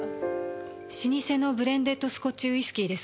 老舗のブレンデッドスコッチウイスキーです。